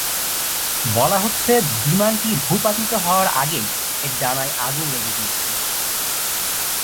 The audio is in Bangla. বলা হচ্ছে, বিমানটি ভূপাতিত হওয়ার আগেই এর ডানায় আগুন লেগে গিয়েছিল।